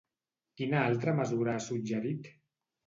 Quina altra mesura ha suggerit?